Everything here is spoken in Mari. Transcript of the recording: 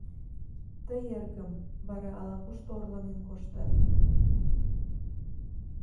Тый, эргым, вара ала-кушто орланен коштат.